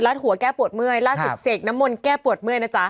หัวแก้ปวดเมื่อยล่าสุดเสกน้ำมนต์แก้ปวดเมื่อยนะจ๊ะ